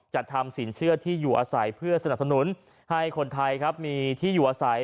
จัดทำสินเชื่อที่อยู่อาศัยเพื่อสนับสนุนให้คนไทยครับมีที่อยู่อาศัย